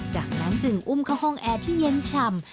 จากนั้นจึงอุ้มเข้าห้องแอร์ที่เย็นฉ่ำ